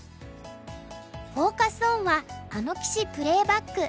フォーカス・オンは「あの棋士プレーバック！